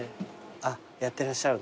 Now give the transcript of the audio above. あっやってらっしゃるんだ。